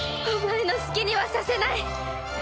お前の好きにはさせない！